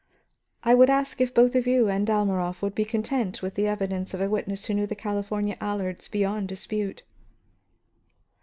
I would ask if both you and Dalmorov will be content with the evidence of a witness who knew the California Allards beyond dispute."